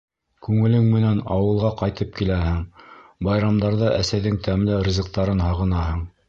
Күңелең менән ауылға ҡайтып киләһең, байрамдарҙа әсәйҙең тәмле ризыҡтарын һағынаһың...